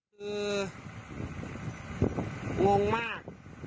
คืองงมาก